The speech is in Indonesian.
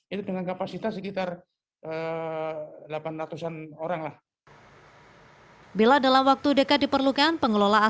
itu dengan kapasitas sekitar delapan ratus an orang lah bila dalam waktu dekat diperlukan pengelolaan